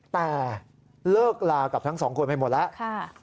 แต่เลิกลากับทั้งสองคนไปหมดแล้ว